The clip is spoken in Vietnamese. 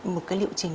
một cái liệu trị